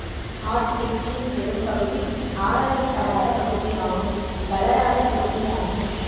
ஆர்க்டிக்கின் பெரும் பகுதி ஆராயப்படாத பகுதியாகும் வளராத பகுதியாகும்.